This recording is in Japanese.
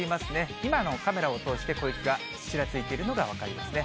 今もカメラを通して、小雪がちらついてるのが分かりますね。